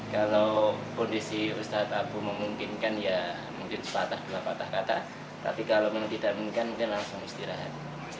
kalau kondisi ustadz abu memungkinkan ya mungkin sepatah sepatah kata tapi kalau tidak mungkin langsung istirahat